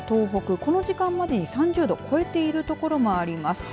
この時間までに３０度を超えている所もあります。